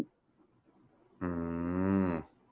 อืม